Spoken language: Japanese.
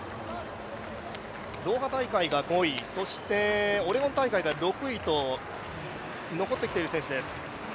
ドーハ大会が５位、オレゴン大会が６位と残ってきている選手です。